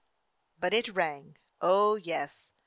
But it rang, oh yes